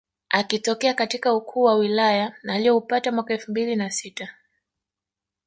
Akitokea katika ukuu wa wilaya alioupata mwaka elfu mbili na sita